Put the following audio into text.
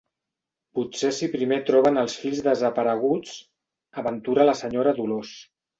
Potser si primer troben els fills desapareguts —aventura la senyora Dolors.